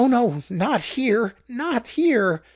no—not here! not here!"